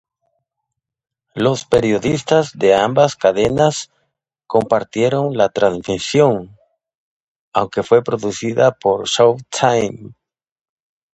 Los periodistas de ambas cadenas compartieron la transmisión, aunque fue producida por Showtime.